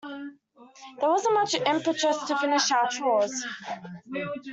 There wasn't much impetus to finish our chores.